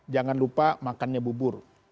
jangan lupa makannya bubur